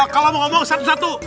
kalau mau ngomong satu satu